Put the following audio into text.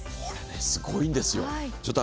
これすごいんですよ。